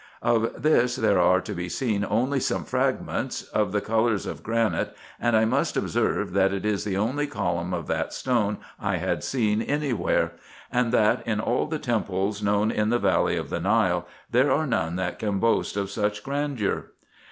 Of this there are to be seen only some fragments, of the colours of granite, and I must observe that it is the only column of that stone I had seen any where ; and that, in all the temples known in the valley of the Nile, there are none that can boast of such grandeur.